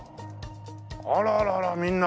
あらららみんな？